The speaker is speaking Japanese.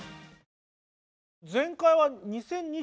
前回は２０２１年？